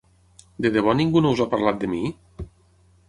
De debò ningú no us ha parlat de mi?